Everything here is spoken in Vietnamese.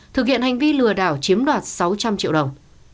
thực hiện hành vi lừa đảo chiếm đoạt sáu trăm linh triệu đồng